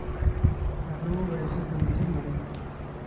هغه وویل، هڅه مهمه ده.